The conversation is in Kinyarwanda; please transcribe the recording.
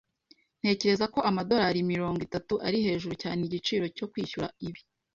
Ntekereza ko amadorari mirongo itatu ari hejuru cyane igiciro cyo kwishyura ibi.